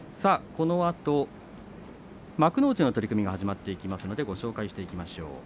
このあと幕内の取組が始まっていきますのでご紹介していきましょう。